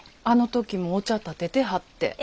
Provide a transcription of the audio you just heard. あの時もお茶たててはって。